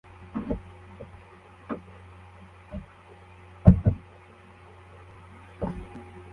Umugabo yambaye igitambaro